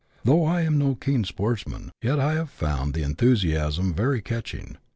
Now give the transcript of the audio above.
Though I am no keen sportsman, yet I have found the enthu siasm very catching.